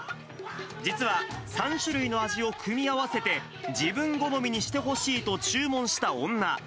実は、３種類の味を組み合わせて、自分好みにしてほしいと注文した女。